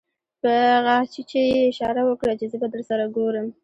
په غاښچيچي يې اشاره وکړه چې زه به درسره ګورم.